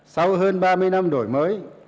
sau hơn ba mươi năm đổi mới